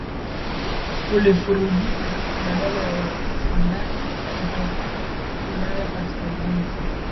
ulivurugika baada ya Wavandali kutoka Ulaya Kaskazini